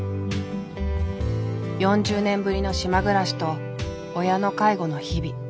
４０年ぶりの島暮らしと親の介護の日々。